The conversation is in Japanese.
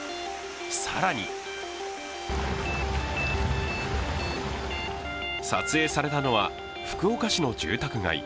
更に撮影されたのは、福岡市の住宅街。